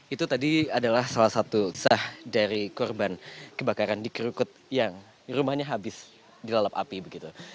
itu tadi adalah salah satu sah dari korban kebakaran di kerukut yang rumahnya habis dilalap api begitu